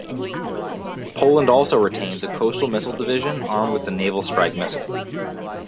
Poland also retains a Coastal Missile Division armed with the Naval Strike Missile.